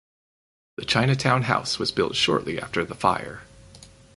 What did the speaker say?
The Chinatown House was built shortly after the fire.